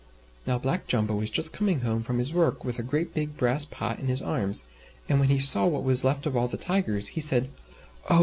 Now Black Jumbo was just coming home from his work, with a great big brass pot in his arms, and when he saw what was left of all the Tigers, he said, "Oh!